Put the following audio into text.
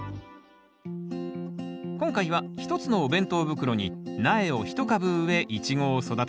今回は一つのお弁当袋に苗を一株植えイチゴを育てます。